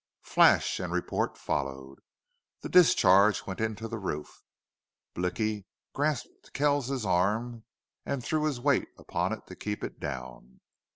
Flash and report followed; the discharge went into the roof. Blicky grasped Kells's arm and threw his weight upon it to keep it down.